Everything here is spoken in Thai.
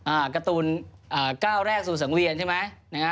อะการ์ตูนแก้วแรกศูสำเวียน